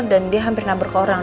dan dia hampir nabrak orang